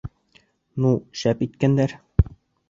Ну, шәп иткәндәр!